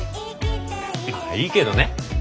まあいいけどね。